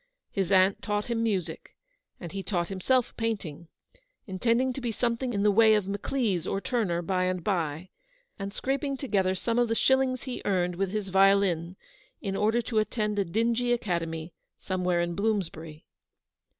His aunt taught him music, and he taught himself painting, intending to be some thing in the way of Maclise or Turner by and by, and scraping together some of the shillings he earned with his violin in order to attend a dingy academy somewhere in Bloomsbury.